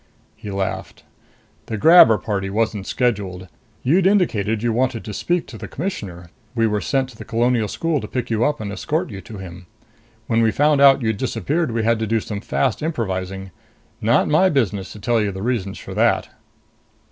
He laughed. "The grabber party wasn't scheduled. You'd indicated you wanted to speak to the Commissioner. We were sent to the Colonial School to pick you up and escort you to him. When we found out you'd disappeared, we had to do some fast improvising. Not my business to tell you the reasons for that."